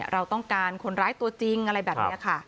เราต้องการคนร้ายตัวจริงอะไรแบบนี้ค่ะ